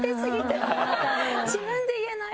自分で言えない。